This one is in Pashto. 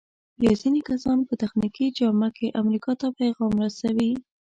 بیا ځینې کسان په تخنیکي جامه کې امریکا ته پیغام رسوي.